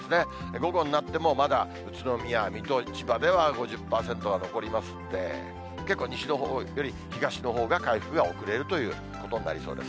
午後になっても、まだ宇都宮、水戸、千葉では５０％は残りますんで、結構、西のほうより東のほうが回復が遅れるということになりそうです。